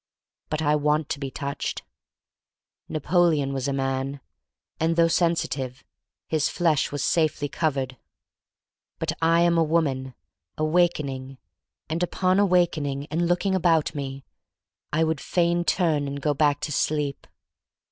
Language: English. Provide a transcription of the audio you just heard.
But I want to be touched. Napoleon was a man, and though sensitive his flesh was safely covered. But I am a woman, awakening, and upon awakening and looking about me, I would fain turn and go back to sleep.